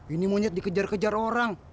ini monyet dikejar kejar orang